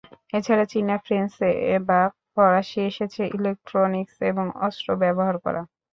এছাড়া চীনা ফ্রেঞ্চ বা ফরাসি এসেছে, ইলেকট্রনিক্স এবং অস্ত্র ব্যবহার করা।